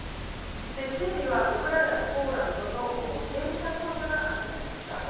で、警備はウクライナとポーランドの警備担当者が担いました。